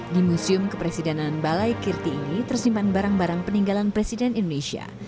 di museum kepresidenan balai kirti ini tersimpan barang barang peninggalan presiden indonesia